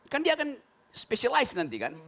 kan dia akan specialize nanti kan